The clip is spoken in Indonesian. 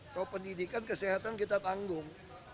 kalau pendidikan kesehatan kita tanggung